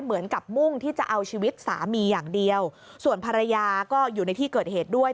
เหมือนกับมุ่งที่จะเอาชีวิตสามีอย่างเดียวส่วนภรรยาก็อยู่ในที่เกิดเหตุด้วย